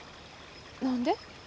何で？